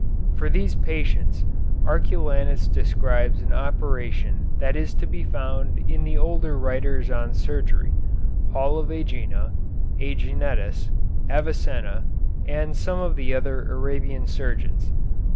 For these patients Arculanus describes an operation that is to be found in the older writers on surgery, Paul of Ægina (Æginetus), Avicenna, and some of the other Arabian surgeons.